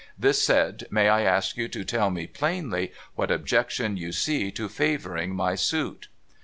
This said, may I ask you to tell me plainly what objection you see to favouring my suit